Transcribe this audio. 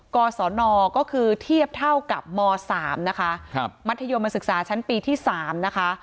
กศนก็คือเทียบเท่ากับม๓นะคะมัธยมศึกษาชั้นปีที่๓นะคะ